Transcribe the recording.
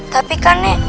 tapi kan nek